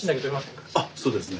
あっそうですね。